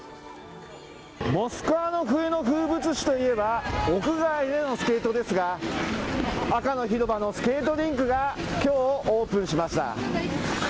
モスクワの冬の風物詩といえば、屋外でのスケートですが、赤の広場のスケートリンクが、きょうオープンしました。